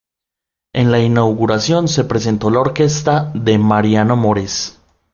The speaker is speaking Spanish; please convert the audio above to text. En la inauguración se presentó la orquesta de Mariano Mores.